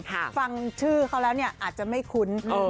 ฟังชื่อเขาแล้วเนี่ยอาจจะไม่คุ้น